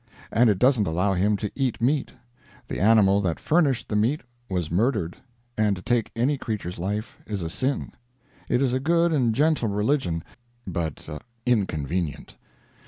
And it doesn't allow him to eat meat; the animal that furnished the meat was murdered, and to take any creature's life is a sin. It is a good and gentle religion, but inconvenient.